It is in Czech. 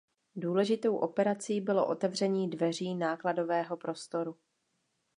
Důležitou operací bylo otevření dveří nákladového prostoru.